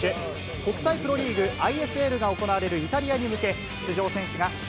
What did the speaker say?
国際プロリーグ・ＩＳＬが行われるイタリアに向け、出場選手が出